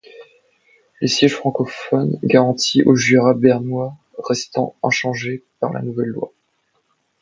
Les sièges francophones garantis au Jura bernois restent inchangés par la nouvelle loi.